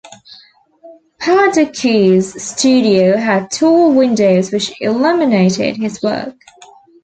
Parducci's studio had tall windows which illuminated his work.